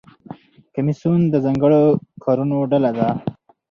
کمیسیون د ځانګړو کارونو ډله ده